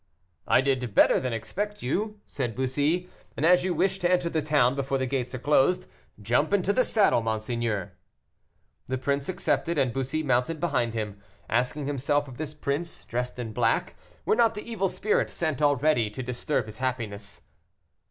"I did better than expect you," said Bussy, "and as you wish to enter the town before the gates are closed, jump into the saddle, monseigneur." The prince accepted, and Bussy mounted behind him, asking himself if this prince, dressed in black, were not the evil spirit sent already to disturb his happiness.